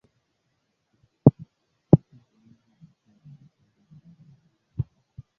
Huku viwango vikiwa mara saba zaidi ya vile vinavyoruhusiwa na shirika la afya duniani.